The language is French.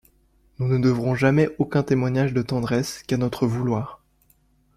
Nous ne devrons jamais aucun témoignage de tendresse qu’à notre vouloir.